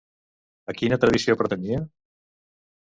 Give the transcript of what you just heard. A quina tradició pertanyia?